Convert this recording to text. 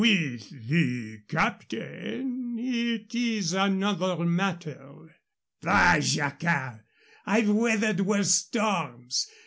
"With the captain it is another matter " "Bah, Jacquard! I've weathered worse storms.